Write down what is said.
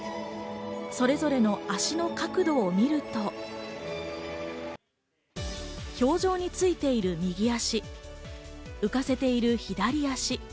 それぞれの足の角度を見ると、表情についている右足、浮かせている左足。